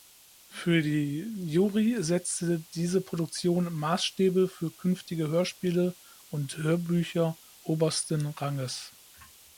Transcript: Für die Jury setzte diese Produktion „Maßstäbe für künftige Hörspiele und Hörbücher obersten Ranges“.